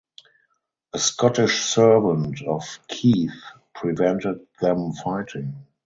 A Scottish servant of Keith prevented them fighting.